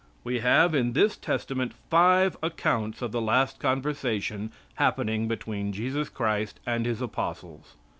We have in this Testament five accounts of the last conversation happening between Jesus Christ and His apostles.